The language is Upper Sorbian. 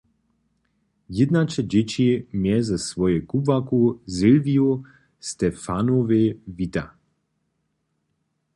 Jědnaće dźěći mje ze swojej kubłarku Silwiju Stephanowej wita.